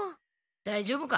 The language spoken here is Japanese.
だいじょうぶか？